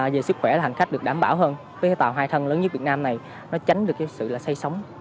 về sức khỏe là hành khách được đảm bảo hơn với tàu hai thân lớn nhất việt nam này nó tránh được sự xây sóng